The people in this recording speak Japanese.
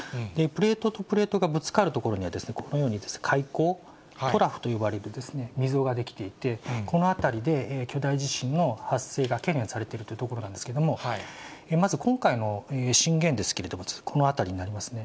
プレートとプレートがぶつかる所には、このようにですね、海溝、トラフと呼ばれる溝が出来ていて、この辺りで巨大地震の発生が懸念されているという所なんですけれども、まず、今回の震源ですけれども、この辺りになりますね。